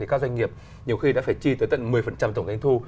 các doanh nghiệp nhiều khi đã phải chi tới tận một mươi tổng doanh thu